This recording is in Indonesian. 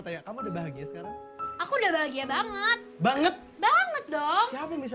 tanya kamu bahagia aku udah bahagia banget banget banget dong siapa bisa